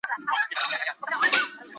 不过在现时为止暂未推出单曲。